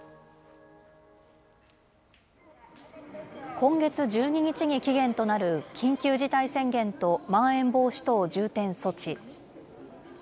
今月１２日に期限となる緊急事態宣言とまん延防止等重点措置。